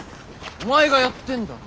お前がやってんだろ。